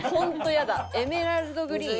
エメラルドグリーン。